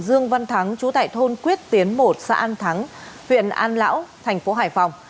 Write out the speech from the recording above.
dương văn thắng chú tại thôn quyết tiến một xã an thắng huyện an lão thành phố hải phòng